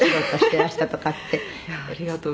「ありがとうございます」